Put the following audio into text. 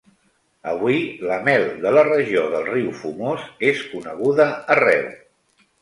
Avui la mel de la regió del riu Fumós és coneguda arreu.